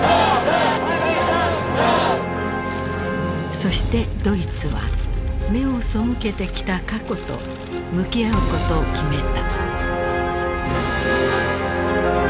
そしてドイツは目を背けてきた過去と向き合うことを決めた。